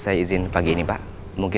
saya juga terlupa deh